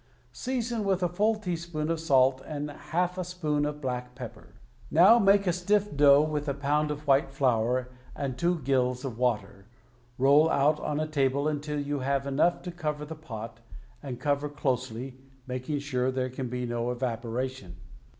Season with a full teaspoon of salt and half a spoon of black pepper. Now make a stiff dough with a pound of white flour and two gills of water, roll out on a table until you have enough to cover the pot, and cover closely, making sure there can be no evaporation.